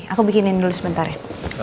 aku bikinin dulu sebentar ya